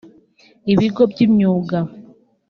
ibigo by’imyuga